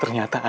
aura itu ma